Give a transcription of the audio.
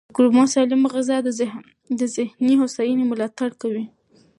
د کولمو سالمه غذا د ذهني هوساینې ملاتړ کوي.